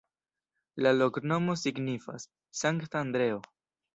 La loknomo signifas: Sankta Andreo.